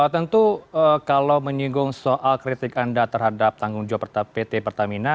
tentu kalau menyinggung soal kritik anda terhadap tanggung jawab pt pertamina